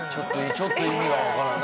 ちょっと意味が分からない。